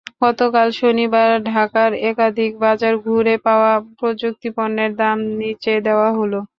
গতকাল শনিবার ঢাকার একাধিক বাজার ঘুরে পাওয়া প্রযুক্তিপণ্যের দাম নিচে দেওয়া হলো।